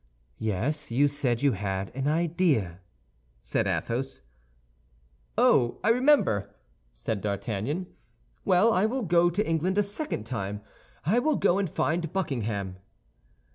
"Yes; you said you had an idea," said Athos. "Oh, I remember," said D'Artagnan. "Well, I will go to England a second time; I will go and find Buckingham."